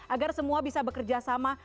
agar semua bisa bekerja sama